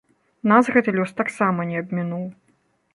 Нас гэты лёс таксама не абмінуў.